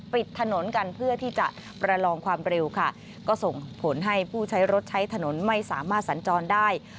ปิดถนนกันเพื่อที่จะประลองความเร็วค่ะก็ส่งผลให้ผู้ใช้รถใช้ถนนไม่สามารถสัญจรได้